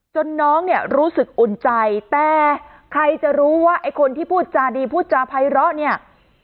น้องเนี่ยรู้สึกอุ่นใจแต่ใครจะรู้ว่าไอ้คนที่พูดจาดีพูดจาภัยร้อเนี่ย